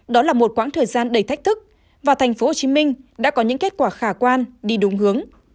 đó là một quãng thời gian đầy thách thức và tp hcm đã có những kết quả khả quan đi đúng hướng